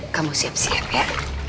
kamu siap siap ya